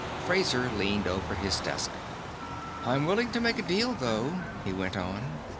Fraser leaned over his desk. "I'm willing to make a deal, though," he went on.